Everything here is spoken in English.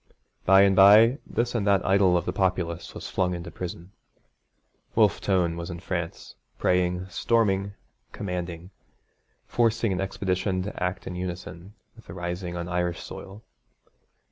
By and by this and that idol of the populace was flung into prison. Wolfe Tone was in France, praying, storming, commanding, forcing an expedition to act in unison with a rising on Irish soil.